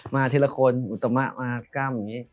มาทีละคนอุตมะมากล้ามอย่างนี้